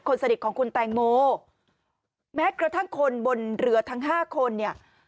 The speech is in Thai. สนิทของคุณแตงโมแม้กระทั่งคนบนเรือทั้งห้าคนเนี่ย